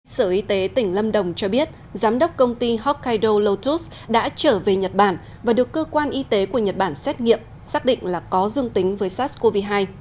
sở y tế tỉnh lâm đồng cho biết giám đốc công ty hokkaido lotus đã trở về nhật bản và được cơ quan y tế của nhật bản xét nghiệm xác định là có dương tính với sars cov hai